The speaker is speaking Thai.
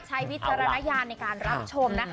ใช้วิจารณญาณของการรับชม